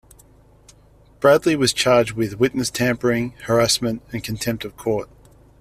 Bradley was charged with witness tampering, harassment, and contempt of court.